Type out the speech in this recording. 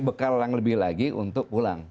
bekalan lebih lagi untuk pulang